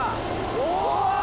うわ！